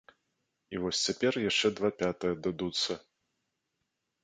І вось цяпер яшчэ два пятыя дадуцца.